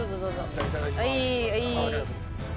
じゃあいただきます。